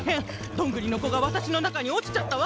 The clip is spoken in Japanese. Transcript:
どんぐりのこがわたしのなかにおちちゃったわ。